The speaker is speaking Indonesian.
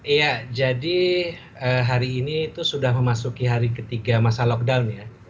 iya jadi hari ini itu sudah memasuki hari ketiga masa lockdown ya